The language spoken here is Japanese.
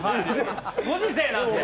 ご時世なんで！